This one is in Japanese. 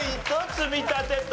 積み立てと。